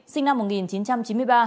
sinh năm một nghìn chín trăm chín mươi ba